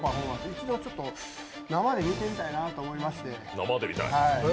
１度、生で見てみたいなと思いまして。